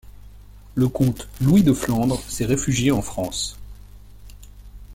Le comte Louis de Flandre s'est réfugié en France.